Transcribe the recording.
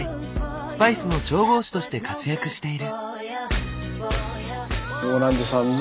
スパイスの調合師として活躍している。